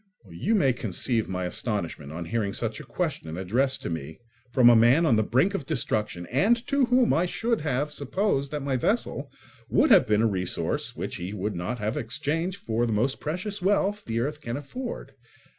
You may conceive my astonishment on hearing such a question addressed to me from a man on the brink of destruction and to whom I should have supposed that my vessel would have been a resource which he would not have exchanged for the most precious wealth the earth can afford.